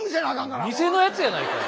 店のやつやないかい。